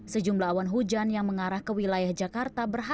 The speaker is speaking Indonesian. sejumlah awan hujan yang mengarah ke wilayah jakarta